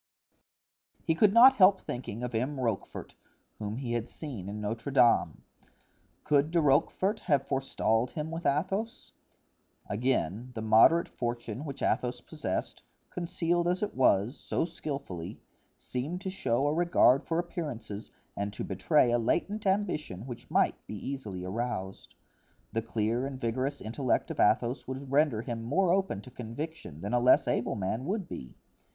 He could not help thinking of M. Rochefort, whom he had seen in Notre Dame; could De Rochefort have forestalled him with Athos? Again, the moderate fortune which Athos possessed, concealed as it was, so skillfully, seemed to show a regard for appearances and to betray a latent ambition which might be easily aroused. The clear and vigorous intellect of Athos would render him more open to conviction than a less able man would be.